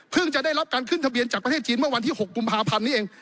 จะได้รับการขึ้นทะเบียนจากประเทศจีนเมื่อวันที่๖กุมภาพันธ์นี้เอง